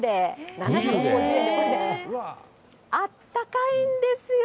７５０円で、これね、あったかいんですよ。